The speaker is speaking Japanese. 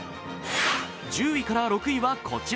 １０位から６位はこちら。